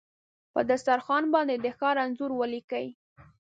په دسترخوان باندې د ښار انځور ولیکې